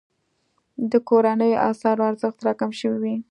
د کورنیو اسعارو ارزښت راکم شوی وي.